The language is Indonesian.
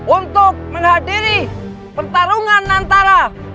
untuk menghadiri pertarungan antara